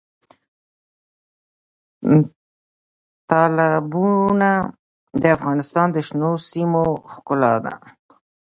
تالابونه د افغانستان د شنو سیمو ښکلا ده.